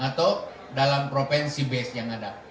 atau dalam provinsi base yang ada